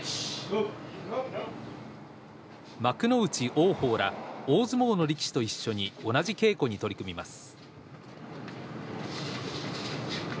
幕内・王鵬ら大相撲の力士と一緒に同じ稽古に取り組みます。